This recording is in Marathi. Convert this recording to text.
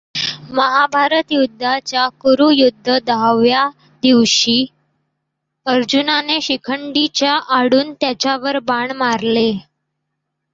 महाभारतयुद्धाच्या कुरुयद्ध दहाव्या दिवशी अर्जुनाने शिखंडीच्या आडून त्यांच्यावर बाण मारले.